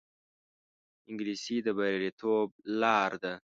انګلیسي د بریالیتوب لار ده